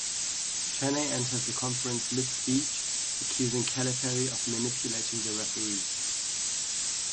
Chaney entered the conference mid-speech, accusing Calipari of manipulating the referees.